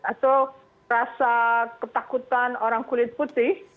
atau rasa ketakutan orang kulit putih